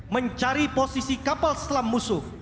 mencari posisi kapal selam musuh